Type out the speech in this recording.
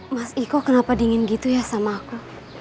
mas iko kenapa dingin gitu ya sama aku